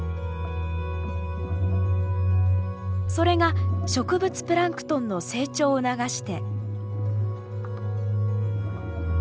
それが植物プランクトンの成長を促して。